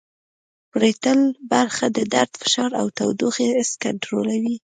پریټل برخه د درد فشار او تودوخې حس کنترولوي